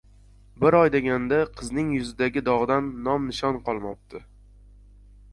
Bir oy deganda qizning yuzidagi dog‘dan nom-nishon qolmabdi